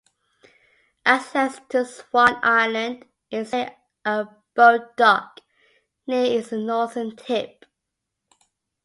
Access to Swan Island is via a boat dock near its northern tip.